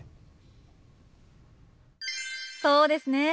そうですね。